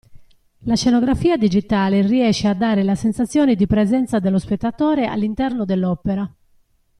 La scenografia digitale riesce a dare la sensazione di presenza dello spettatore all'interno dell'opera.